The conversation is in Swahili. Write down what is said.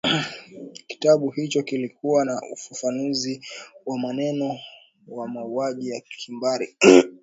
kitabu hicho kilikuwa na ufafanuzi wa maneno wa mauaji ya kimbari